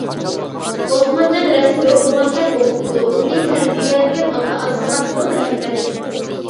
ئوسمانجان رەسمىي ئوقۇغاندەك ئوقۇپتۇ. ئۇنى تەربىيەلىگەن ئاتا-ئانىسىغا مىڭ رەھمەت!